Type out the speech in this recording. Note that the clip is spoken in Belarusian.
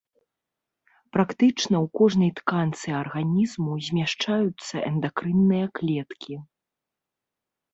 Практычна ў кожнай тканцы арганізму змяшчаюцца эндакрынныя клеткі.